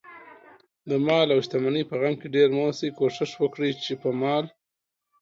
دمال اوشتمنۍ په غم کې ډېر مه اوسئ، کوښښ وکړئ، چې په مال